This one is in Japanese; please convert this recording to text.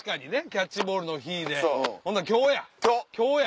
キャッチボールの日でほな今日や今日や。